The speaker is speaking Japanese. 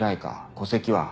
戸籍は？